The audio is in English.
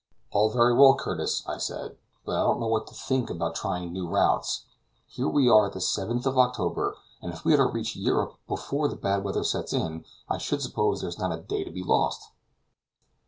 "All very well, Curtis," I said, "but I don't know what to think about trying new routes. Here we are at the 7th of October, and if we are to reach Europe before the bad weather sets in, I should suppose there is not a day to be lost."